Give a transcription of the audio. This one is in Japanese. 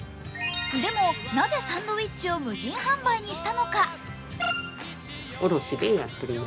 でも、なぜサンドイッチを無人販売にしたのか？